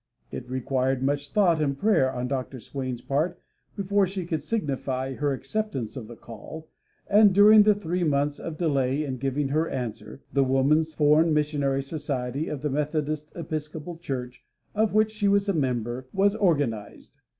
It required much thought and prayer on Dr. Swain's part before she could signify her acceptance of the call, and during the three months of delay in giving her answer the Woman's Foreign Missionary Society of the Methodist Episcopal Church, of which she was a member, was organized.